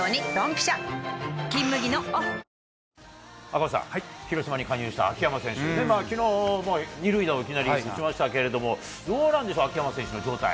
赤星さん、広島に加入した秋山選手、きのうも２塁打をいきなり打ちましたけれども、どうなんでしょう、秋山選手の状態。